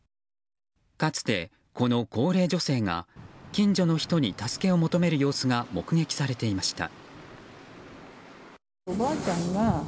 かつて、この高齢女性が近所の人に助けを求める様子が目撃されていました。